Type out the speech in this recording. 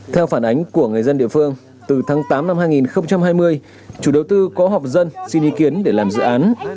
theo phản ánh của người dân địa phương từ tháng tám năm hai nghìn hai mươi chủ đầu tư có họp dân xin ý kiến để làm dự án